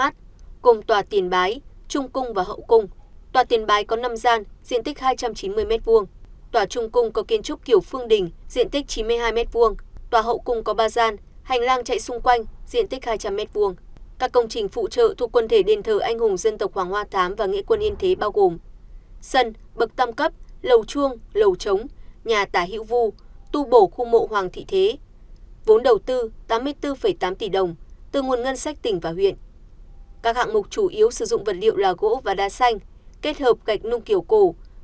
trong đó công trình đền thờ anh hùng dân tộc hoàng hoa thám và nghệ quân yên thế được khởi công ngày một mươi chín tháng năm năm hai nghìn hai mươi ba vốn đầu tư gần một trăm linh tỷ đồng từ nguồn xã hội hóa do trung ương giáo hội phật giáo việt nam công ty thương mại đầu tư xây dựng thành lợi chủ trì vận động và tài trợ